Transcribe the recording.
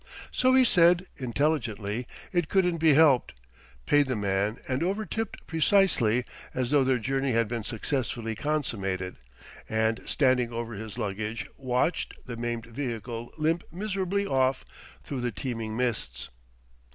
So he said (intelligently) it couldn't be helped, paid the man and over tipped precisely as though their journey had been successfully consummated, and standing over his luggage watched the maimed vehicle limp miserably off through the teeming mists.